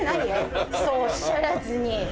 そうおっしゃらずに。